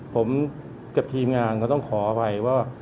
ผมกับทีมงานก็ต้องขออภัยว่า